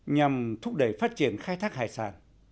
nhằm thúc đẩy phát triển khai thác hải sản